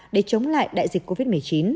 để chống lại đại dịch covid một mươi chín